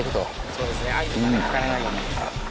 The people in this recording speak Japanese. そうですねアユとかかからないように。